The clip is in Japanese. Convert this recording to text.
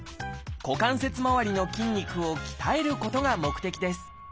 股関節周りの筋肉を鍛えることが目的です